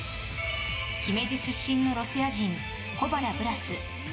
姫路出身のロシア人小原ブラス。